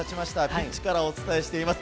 ピッチからお伝えしています。